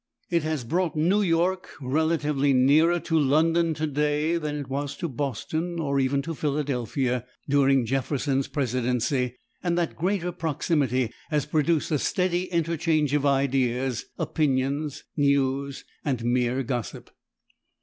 It has brought New York relatively nearer to London today than it was to Boston, or even to Philadelphia, during Jefferson's presidency, and that greater proximity has produced a steady interchange of ideas, opinions, news and mere gossip.